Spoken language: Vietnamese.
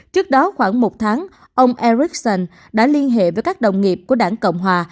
trước đó khoảng một tháng ông ericsson đã liên hệ với các đồng nghiệp của đảng cộng hòa